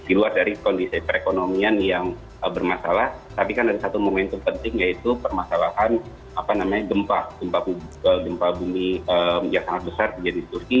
di luar dari kondisi perekonomian yang bermasalah tapi kan ada satu momentum penting yaitu permasalahan gempa bumi yang sangat besar terjadi di turki